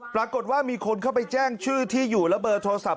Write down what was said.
ปรากฏว่ามีคนเข้าไปแจ้งชื่อที่อยู่และเบอร์โทรศัพ